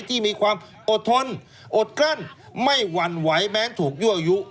ที่มีความอดทนอดกลั้นไม่หวั่นไหวแม้ถูกยั่วยุ